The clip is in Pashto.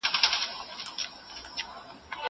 زه سبزېجات وچولي دي!!